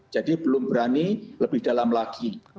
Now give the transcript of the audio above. jadi belum berani lebih dalam lagi